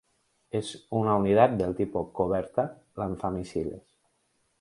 Es una unidad del tipo Corbeta lanzamisiles.